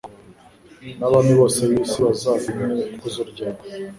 n’abami bose b’isi bazatinye ikuzo ryawe